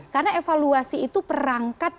karena evaluasi itu perangkat